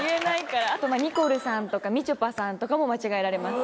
あとニコルさんとかみちょぱさんとかも間違えられます